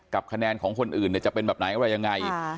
กับคะแนนของคนอื่นเนี่ยจะเป็นแบบไหนว่ายังไงอ่า